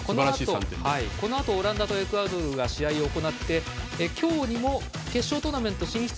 このあとオランダとエクアドルが試合を行って今日にも決勝トーナメント進出